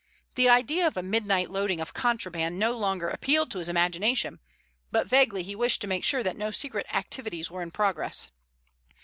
The idea of a midnight loading of contraband no longer appealed to his imagination, but vaguely he wished to make sure that no secret activities were in progress.